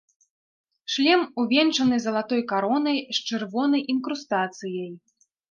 Шлем увянчаны залатой каронай з чырвонай інкрустацыяй.